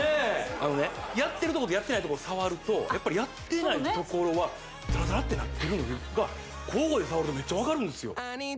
あのねやってるとことやってないとこ触るとやっぱりあっそうねってなってるのが交互で触るとめっちゃ分かるんですよ